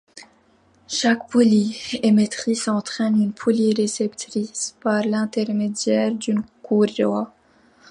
Chaque poulie émettrice entraîne une poulie réceptrice par l'intermédiaire d'une courroie.